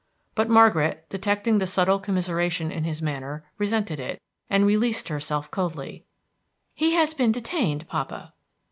But Margaret, detecting the subtile commiseration in his manner, resented it, and released herself coldly. "He has been detained, papa."